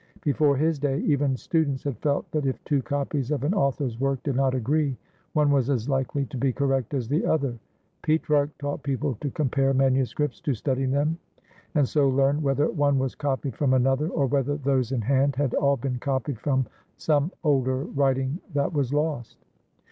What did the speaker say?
Before his day, even students had felt that if two copies of an author's work did not agree, one was as hkely to be cor rect as the other. Petrarch taught people to compare manuscripts, to study them, and so learn whether one was copied from another, or whether those in hand had all been copied from some older writing that was lost.